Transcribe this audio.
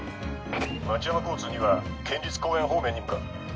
町山交通２は県立公園方面に向かう。